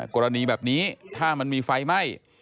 กรณีแบบนี้ถ้ามันมีไฟไหม้